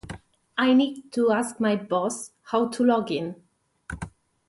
I need to ask my boss how to log in.